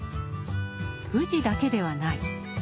富士だけではない。